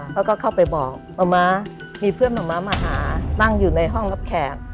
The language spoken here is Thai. แล้วก็เข้าไปบอกมะม้ามีเพื่อนหมอม้ามาหานั่งอยู่ในห้องรับแขก